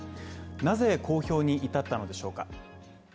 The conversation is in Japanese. なぜ公表に至ったのでしょうか？